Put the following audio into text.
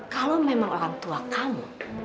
kalau memang orang tua kamu